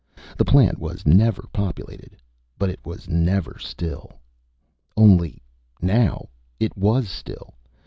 The plant was never populated, but it was never still. Only now it was still.